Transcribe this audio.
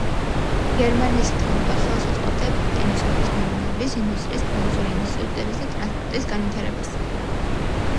გერმანიის მთავრობა ხელს უწყობდა ეფექტიანი სოფლის მეურნეობის, ინდუსტრიის, ფინანსური ინსტიტუტების და ტრანსპორტის განვითარებას.